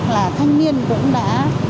là thanh niên cũng đã